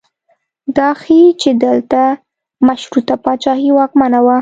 دا ښیي چې دلته مشروطه پاچاهي واکمنه وه.